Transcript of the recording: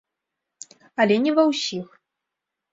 Але не ва ўсіх.